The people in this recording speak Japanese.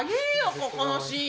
ここのシーン。